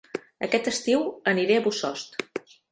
Aquest estiu aniré a Bossòst